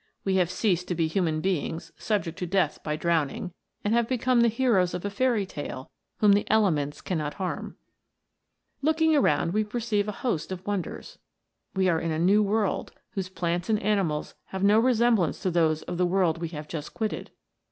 We have ceased to be human beings subject to death by drowning, and have become the heroes of a fairy tale whom the elements cannot harm. THE MERMAID'S HOME. 115 Looking around, we perceive a host of wonders. We are in a new world, whose plants and animals have no resemblance to those of the world we have just quitted.